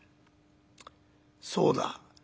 そうだ。